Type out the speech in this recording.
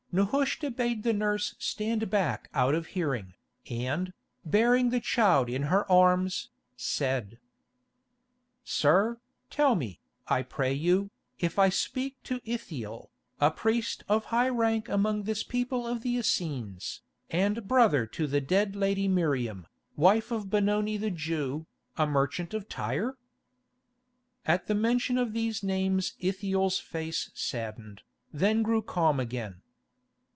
Nehushta bade the nurse stand back out of hearing, and, bearing the child in her arms, said: "Sir, tell me, I pray you, if I speak to Ithiel, a priest of high rank among this people of the Essenes, and brother to the dead lady Miriam, wife of Benoni the Jew, a merchant of Tyre?" At the mention of these names Ithiel's face saddened, then grew calm again.